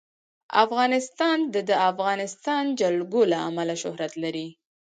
افغانستان د د افغانستان جلکو له امله شهرت لري.